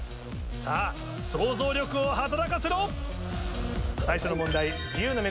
さぁ想像力を働かせろ！